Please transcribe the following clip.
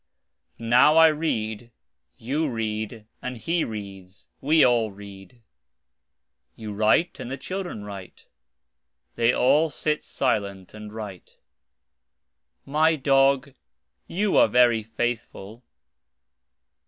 Now I read, you read, and he reads, we all read. You write and the children write, they (you) all sit silent and write. My dog, you are very faithful.